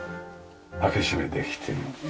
開け閉めできて。